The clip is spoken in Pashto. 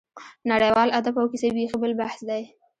نړیوال ادب او کیسه بېخي بل بحث دی.